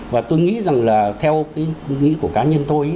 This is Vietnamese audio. và tôi nghĩ rằng là theo cái nghĩ của cá nhân tôi